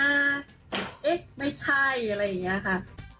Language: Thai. เอ๊ะไม่ใช่อะไรอย่างนี้ค่ะ